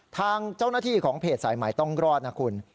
ทางเจ้าหน้าที่ของเพจสายใหม่ต้องรอดนะคุณ